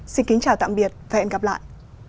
xin kính chào tạm biệt và hẹn gặp lại